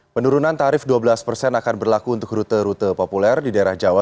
penurunan tarif dua belas persen akan berlaku untuk rute rute populer di daerah jawa